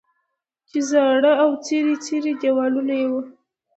چې زاړه او څیري څیري دیوالونه یې وو.